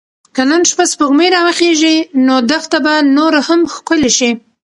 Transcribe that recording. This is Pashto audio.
که نن شپه سپوږمۍ راوخیژي نو دښته به نوره هم ښکلې شي.